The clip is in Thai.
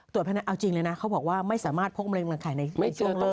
ตรวจภายในเอาจริงเลยนะเขาบอกว่าไม่สามารถพกมะเร็งรังไข่ในช่วงเลือด